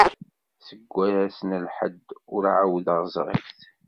Seg wass n Lḥedd ur ɛawdeɣ ẓriɣ-t.